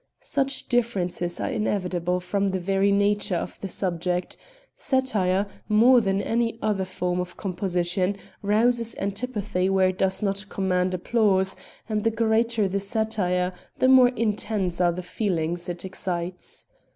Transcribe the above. Such differences are inevitable from the very nature of the subject. Satire, more than any other form of composition, rouses antipathy where it does not command applause; and the greater the satire, the more intense are the feelings it excites.